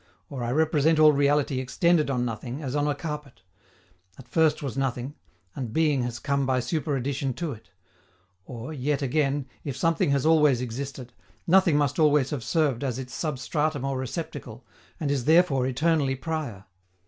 Or I represent all reality extended on nothing as on a carpet: at first was nothing, and being has come by superaddition to it. Or, yet again, if something has always existed, nothing must always have served as its substratum or receptacle, and is therefore eternally prior.